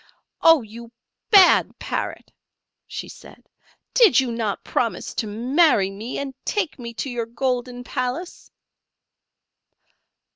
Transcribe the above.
"Oh, you bad Parrot!" she said; "did you not promise to marry me, and take me to your golden palace?"